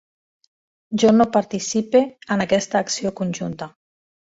Jo no participe en aquesta acció conjunta.